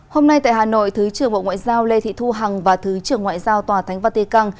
hôm nay tại hà nội thứ trưởng bộ ngoại giao lê thị thu hằng và thứ trưởng ngoại giao tòa thánh vatican